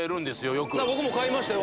よく僕も買いましたよ